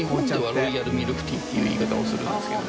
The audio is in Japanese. ロイヤルミルクティーっていう言い方をするんですけど。